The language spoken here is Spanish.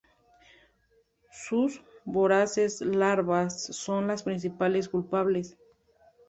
Sus voraces larvas son las principales culpables.